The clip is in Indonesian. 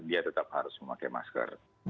dia tetap harus memakai masker